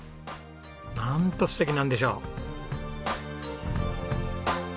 なんと素敵なんでしょう。